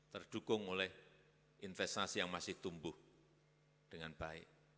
terdukung oleh investasi yang masih tumbuh dengan baik